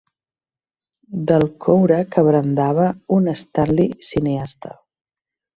Del coure que brandava un Stanley cineasta.